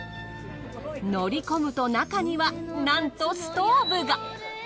乗り込むと中にはなんとストーブが。